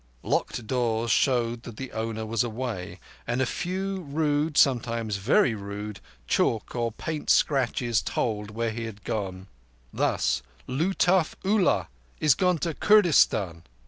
Locked doors showed that the owner was away, and a few rude—sometimes very rude—chalk or paint scratches told where he had gone. Thus: "Lutuf Ullah is gone to Kurdistan."